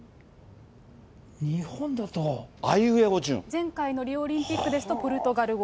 前回のリオオリンピックですと、ポルトガル語。